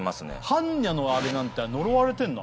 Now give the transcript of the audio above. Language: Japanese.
般若のあれなんて呪われてんの？